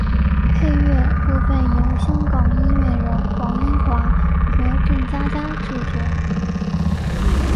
配乐部分由香港音乐人黄英华和郑嘉嘉制作。